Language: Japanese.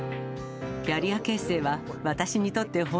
キャリア形成は私にとって本